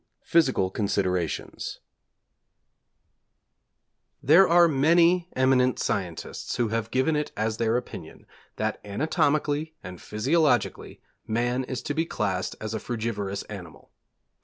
] II PHYSICAL CONSIDERATIONS There are many eminent scientists who have given it as their opinion that anatomically and physiologically man is to be classed as a frugivorous animal.